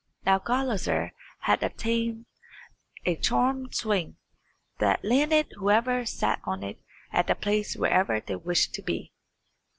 Now Gulizar had obtained a charmed swing, that landed whoever sat on it at the place wherever they wished to be.